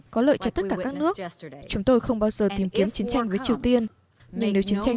có lợi cho tất cả các nước chúng tôi không bao giờ tìm kiếm chiến tranh với triều tiên nhưng nếu chiến tranh